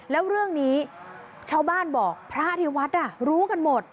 แล้วเรื่องนี้ชาวบ้านบอกพระที่วัดรู้กันหมด